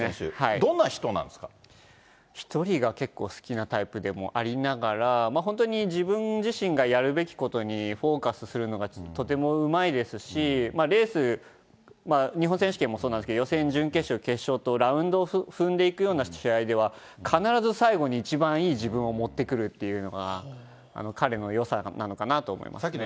どんな人なん１人が結構好きなタイプでもありながら、本当に自分自身がやるべきことにフォーカスするのがとてもうまいですし、レース、日本選手権もそうなんですけれども、予選、準決勝、決勝とラウンドを踏んでいくような試合では、必ず最後に一番いい自分を持ってくるというのが、彼のよさなのかなと思いますね。